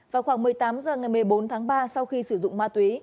vào khoảng một mươi tám h ngày một mươi bốn tháng ba sau khi sử dụng ma túy